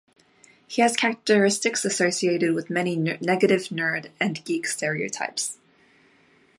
He has characteristics associated with many negative nerd and geek stereotypes.